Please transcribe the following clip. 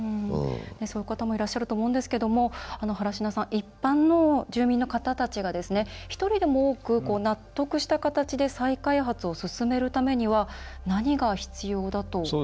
そういう方もいらっしゃると思うんですけども原科さん、一般の住民の方たちが一人でも多く納得した形で再開発を進めるためには何が必要だと？